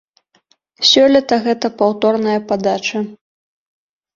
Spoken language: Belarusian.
Сёлета гэта паўторная падача.